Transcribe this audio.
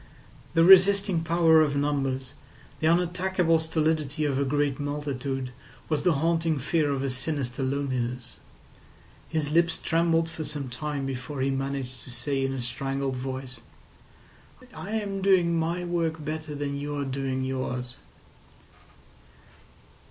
The resisting power of numbers, the unattackable stolidity of a great multitude, was the haunting fear of his sinister loneliness. His lips trembled for some time before he managed to say in a strangled voice: "I am doing my work better than you're doing yours."